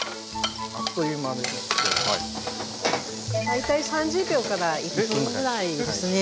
大体３０秒１分ぐらいですね。